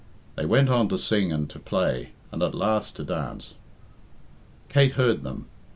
They went on to sing and to playt and at last to dance. Kate heard them.